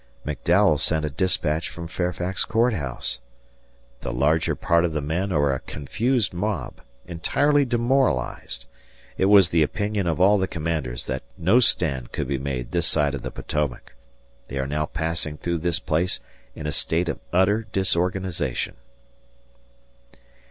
McDowell sent a dispatch from Fairfax Court House: The larger part of the men are a confused mob, entirely demoralized. It was the opinion of all the commanders that no stand could be made this side of the Potomac. ... They are now passing through this place in a state of utter disorganization.